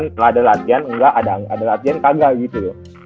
nggak ada latihan nggak ada latihan kagak gitu